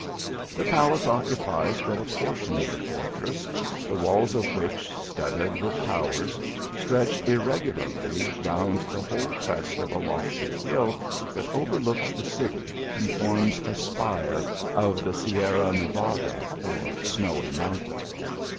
The palace occupies but a por tion of the fortress, the walls of which, studded with towers, stretch irregularly round the whole 28 THE ALHAMBRA. crejt of a lofty hill that overlooks the city, and forms a spire of the Sierra Nevada, or Snowy Mountain.